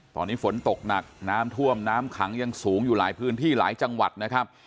ตอนนี้ฝนตกหนักน้ำท่วมน้ำขังยังสูงอยู่หลายพื้นที่หลายจังหวัดนะครับ